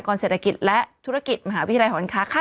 เหมือนการสวนพยากรเศรษฐกิจและธุรกิจมหาวิทยาลัยของเมืองไบรนดรคา